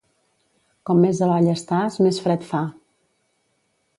Com més avall estàs, més fred fa.